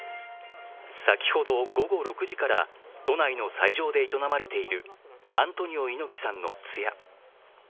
先ほど午後６時から都内の斎場で営まれているアントニオ猪木さんの通夜。